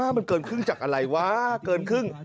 มันเกินครึ่งจากอะไรวะเกินครึ่ง